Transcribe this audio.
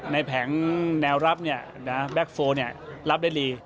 แผงแนวรับแบ็คโฟลรับได้ดี